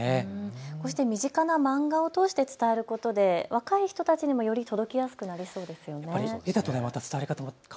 こうして身近な漫画を通して伝えることで、若い人たちにより届きやすくなりそうですよね。